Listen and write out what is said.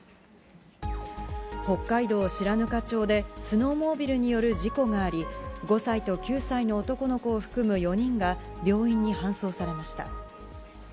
北海道白糠町で、スノーモービルによる事故があり、５歳と９歳の男の子を含む４人が、病院に搬送されました。